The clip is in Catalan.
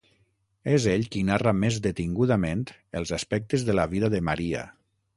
És ell qui narra més detingudament els aspectes de la vida de Maria.